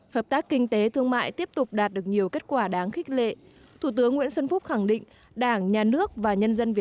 hợp tác kinh tế thương mại tiếp tục đạt được nhiều kết quả đáng khích lệ